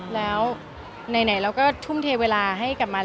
แล้วไหนเราก็ทุ่มเทเวลาให้กับมัน